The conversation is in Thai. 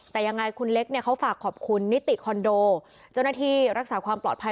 แต่ยังไงคุณเล็กเนี่ยเขาฝากขอบคุณนิติคอนโดเจ้าหน้าที่รักษาความปลอดภัย